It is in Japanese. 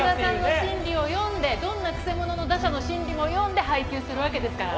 心理を読んで、どんなくせ者の打者の心理も読んで配球するわけですから。